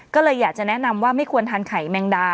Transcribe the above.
ก็เลยอยากจะแนะนำว่าไม่ควรทานไข่แมงดา